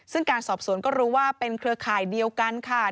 ซึ่งการสอบสวนก็รู้ว่าเป็นเครือข่ายเดียวกันค่ะ